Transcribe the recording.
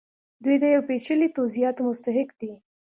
دوی د یو پیچلي توضیحاتو مستحق دي